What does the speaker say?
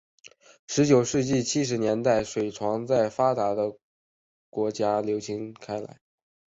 十九世纪七十年代水床在发达国家流行开来。